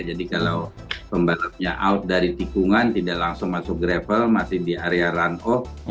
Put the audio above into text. jadi kalau pembalapnya out dari tikungan tidak langsung masuk gravel masih di area run off